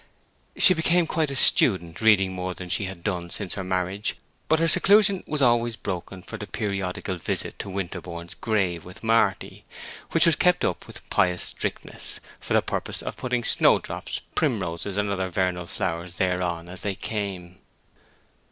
She became quite a student, reading more than she had done since her marriage But her seclusion was always broken for the periodical visit to Winterborne's grave with Marty, which was kept up with pious strictness, for the purpose of putting snow drops, primroses, and other vernal flowers thereon as they came.